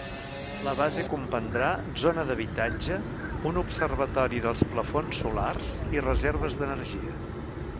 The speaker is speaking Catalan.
La base comprendrà zona d'habitatge, un observatori, dels plafons solars i reserves d'energia.